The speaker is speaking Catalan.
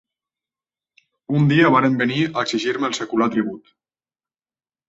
Un dia varen venir a exigir-me el secular tribut…